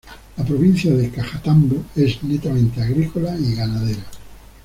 La provincia de Cajatambo es netamente agrícola y ganadera.